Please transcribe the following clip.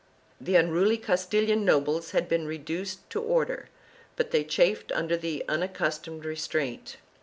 The unruly Castilian nobles had been reduced to order, but they chafed under the unaccustomed restraint.